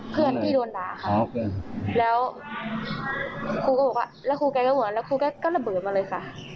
เพื่อนที่โดนด่าเขาแล้วครูก็บอกว่าแล้วครูแกก็เหมือนแล้วครูแกก็ระเบิดมาเลยค่ะ